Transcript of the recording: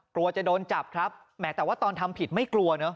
กลัวจะโดนจับครับแหมแต่ว่าตอนทำผิดไม่กลัวเนอะ